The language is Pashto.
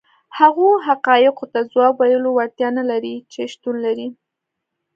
هغو حقایقو ته ځواب ویلو وړتیا نه لري چې شتون لري.